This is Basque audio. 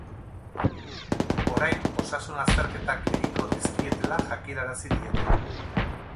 Orain osasun azterketak egingo dizkietela jakinarazi diete.